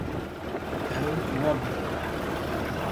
Ew nabiriqe.